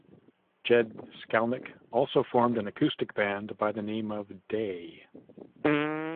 Jed Skalnik also formed an acoustic band by the name of "Day".